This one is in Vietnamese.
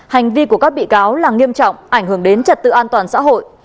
hành vi của các bị cáo là nghiêm trọng ảnh hưởng đến trật tự an toàn xã hội